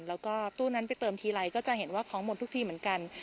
แล้วก็ตู้นั้นไปเติมทีไรก็จะเห็นว่าของหมดทุกทีเหมือนกัน